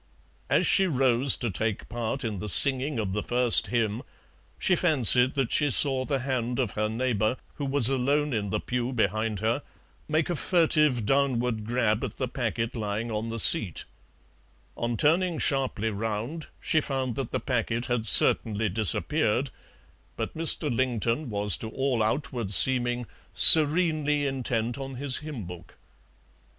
As she rose to take part in the singing of the first hymn, she fancied that she saw the hand of her neighbour, who was alone in the pew behind her, make a furtive downward grab at the packet lying on the seat; on turning sharply round she found that the packet had certainly disappeared, but Mr. Lington was to all outward seeming serenely intent on his hymnbook.